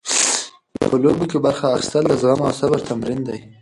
په لوبو کې برخه اخیستل د زغم او صبر تمرین دی.